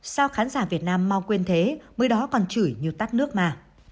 sao khán giả việt nam mau quên thế mới đó còn chửi như tắt nước mà